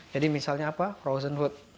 jadi misalnya apa frozen food